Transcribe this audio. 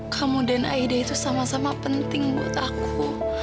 kamu dan aida itu sama sama penting buat aku